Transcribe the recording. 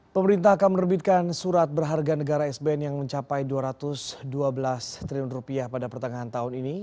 pemerintah akan menerbitkan surat berharga negara sbn yang mencapai rp dua ratus dua belas triliun rupiah pada pertengahan tahun ini